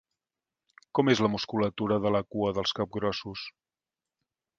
Com és la musculatura de la cua dels capgrossos?